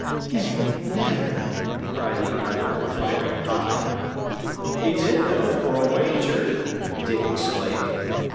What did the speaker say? "Nay, never!" cried the other, colouring high. "A' did, though, for a wager!" Dick exclaimed.